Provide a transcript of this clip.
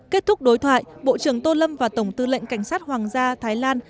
kết thúc đối thoại bộ trưởng tô lâm và tổng tư lệnh cảnh sát hoàng gia thái lan